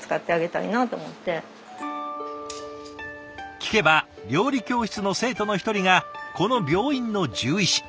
聞けば料理教室の生徒の一人がこの病院の獣医師。